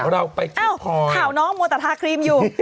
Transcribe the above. เราไปอ้าวข่าวน้องมัวแต่ทาครีมอยู่